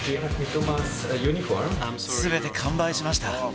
すべて完売しました。